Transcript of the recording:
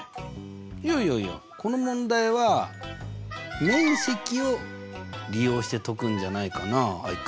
いやいやいやこの問題は面積を利用して解くんじゃないかなアイク。